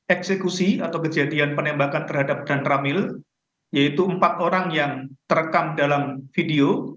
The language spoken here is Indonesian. eksekusi atau kejadian penembakan terhadap dan ramil yaitu empat orang yang terekam dalam video